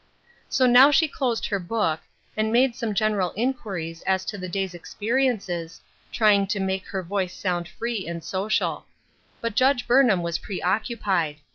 So now she closed her book, and made some I48 " THE DEED FOR THE WILL." general inquiries as to the clay's experiences, try ing to make her voice sound free and social. But Judge Burnham was preoccupied.